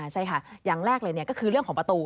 ใช่ค่ะอย่างแรกเลยก็คือเรื่องของประตู